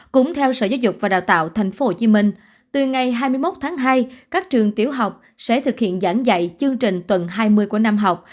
cũng theo sở giáo dục và đào tạo tp hcm từ ngày hai mươi một tháng hai các trường tiểu học sẽ thực hiện giảng dạy chương trình tuần hai mươi của năm học